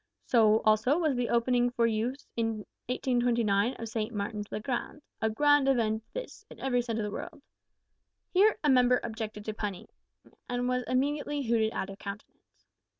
So also was the opening for use in 1829 of St. Martin's le Grand a grand event this, in every sense of the word." (Here a member objected to punning, and was immediately hooted out of countenance.)